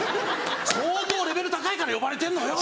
相当レベル高いから呼ばれてんのよ！